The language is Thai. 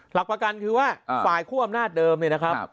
หลักประกันคือว่าฝ่ายคู่อำนาจเดิมเนี่ยนะครับ